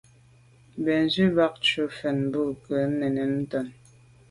Bènzwi bat tshùa mfèn bo nke nèn ntàne.